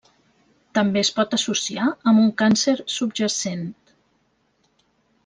També es pot associar amb un càncer subjacent.